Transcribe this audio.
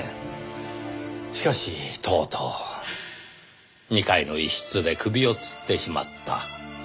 しかしとうとう２階の一室で首を吊ってしまった。